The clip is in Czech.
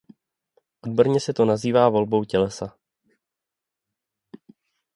Odborně se to nazývá volbou tělesa.